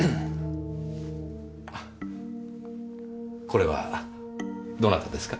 これはどなたですか？